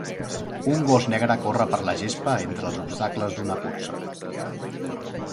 Un gos negre corre per la gespa entre els obstacles d'una cursa